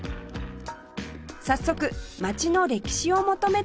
早速街の歴史を求めて歩きます